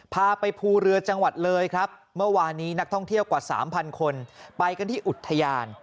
พาไปภูเรือจังหวัดเลยครับเมื่อวานนี้นักท่องเที่ยวกว่า๓๐๐คนไปกันที่อุทยาน